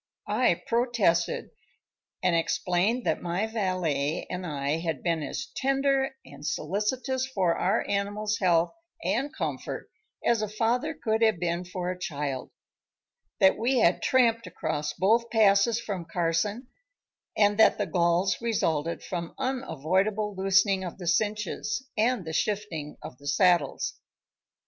I protested, and explained that my valet and I had been as tender and solicitous for our animals' health and comfort as a father could have been for a child; that we had tramped across both passes from Carson; and that the galls resulted from unavoidable loosening of the cinches and the shifting of the saddles.